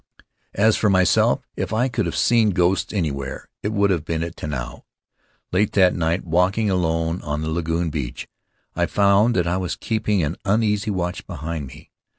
As for myself, if I could have seen ghosts anywhere it would have been at Tanao. Late that night, walking alone on the lagoon beach, I found that I was keeping an uneasy watch behind me.